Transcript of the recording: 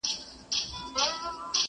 څه لښکر لښکر را ګورې څه نیزه نیزه ږغېږې،